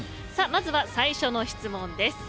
まずは最初の質問です。